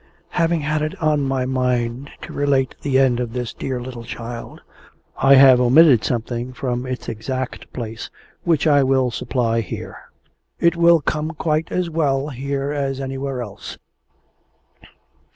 Having had it on my mind to relate the end of this dear little child, I have omitted something from its exact place, which I will supply here. It will come quite as well here as anywhere else.